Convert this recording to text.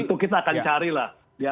itu kita akan cari lah